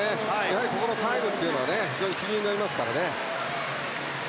このタイムは非常に気になりますからね。